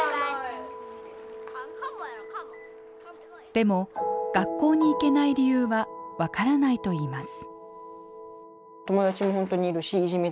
でも学校に行けない理由はわからないといいます。